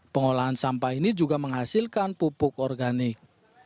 pengolahan sampah ini juga menghasilkan pupuk organik